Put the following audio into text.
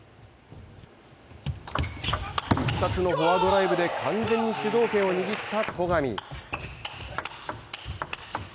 必殺のフォアドライブで完全に主導権を握った戸上。